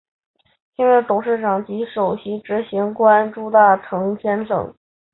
现时董事长及首席执行官朱大成先生。